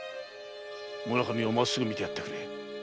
村上を真っ直ぐ見てやってくれ。